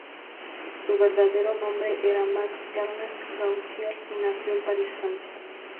Su verdadero nombre era Max Ernest Gautier, y nació en París, Francia.